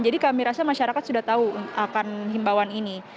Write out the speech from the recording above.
jadi kami rasa masyarakat sudah tahu akan himbawan ini